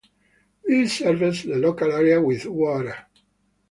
This serves the local area with water.